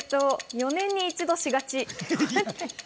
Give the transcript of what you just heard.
４年に１度しがち。